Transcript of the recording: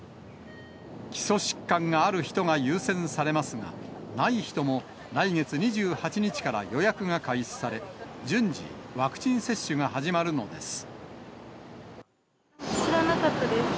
基礎疾患がある人が優先されますが、ない人も来月２８日から予約が開始され、順次、ワクチン接種が始知らなかったです。